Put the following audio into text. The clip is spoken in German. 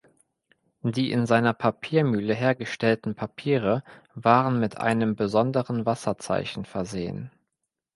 Die in seiner Papiermühle hergestellten Papiere waren mit einem besonderen Wasserzeichen versehen.